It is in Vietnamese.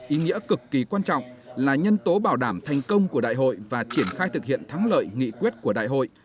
ý nghĩa cực kỳ quan trọng là nhân tố bảo đảm thành công của đại hội và triển khai thực hiện thắng lợi nghị quyết của đại hội